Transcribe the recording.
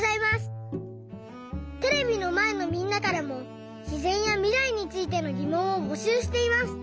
テレビのまえのみんなからもしぜんやみらいについてのぎもんをぼしゅうしています。